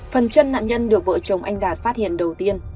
phần chân nạn nhân được vợ chồng anh đạt phát hiện đầu tiên